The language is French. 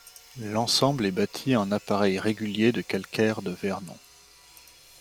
L'ensemble est bâti en appareil régulier de calcaire de Vernon.